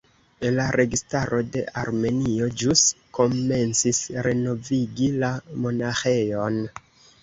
La registaro de Armenio ĵus komencis renovigi la monaĥejon.